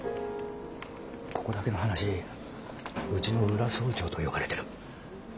ここだけの話うちの裏総長と呼ばれてる。